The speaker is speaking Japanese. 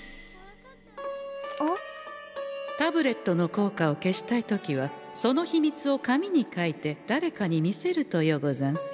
タブレットの効果を消したい時はその秘密を紙に書いて誰かに見せるとようござんす。